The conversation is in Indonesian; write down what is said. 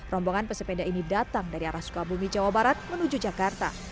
rombongan pesepeda ini datang dari arah sukabumi jawa barat menuju jakarta